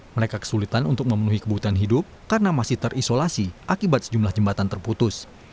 mereka kesulitan untuk memenuhi kebutuhan hidup karena masih terisolasi akibat sejumlah jembatan terputus